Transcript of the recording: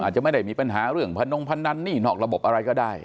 อาจจะไม่ได้มีปัญหาเรื่องพนงพนันหนี้นอกระบบอะไรก็ได้